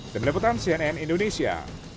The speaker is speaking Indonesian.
demi deputan cnn indonesia